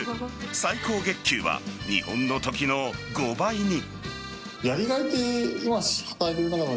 最高月給は日本のときの５倍に。